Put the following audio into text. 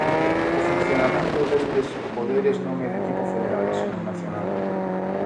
O funcionamento destes poderes non é de tipo federal, senón nacional.